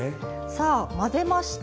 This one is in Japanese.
さあ混ぜました。